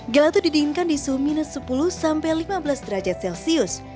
gelato didinginkan di suhu minus sepuluh sampai lima belas derajat celcius